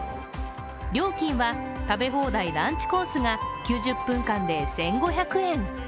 料金は食べ放題ランチコースが９０分間で１５００円。